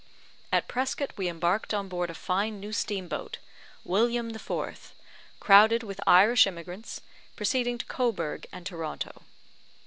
At Prescott we embarked on board a fine new steam boat, William IV., crowded with Irish emigrants, proceeding to Cobourg and Toronto.